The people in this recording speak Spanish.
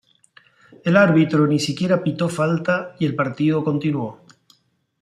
El árbitro ni siquiera pitó falta y el partido continuó.